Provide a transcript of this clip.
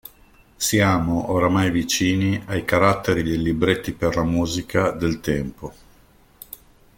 Siamo ormai vicini ai caratteri dei libretti per musica del tempo.